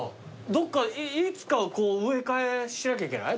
どっかいつかは植え替えしなきゃいけない？